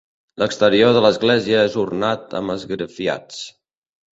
L'exterior de l'església és ornat amb esgrafiats.